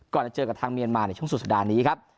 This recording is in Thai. ก่อนจะเจอกับทางเมียนมาในช่วงสุดภาพนี้ครับ